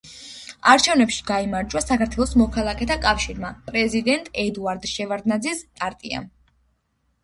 არჩევნებში გაიმარჯვა საქართველოს მოქალაქეთა კავშირმა, პრეზიდენტ ედუარდ შევარდნაძის პარტიამ.